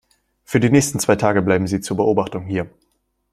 Für die nächsten zwei Tage bleiben Sie zur Beobachtung hier.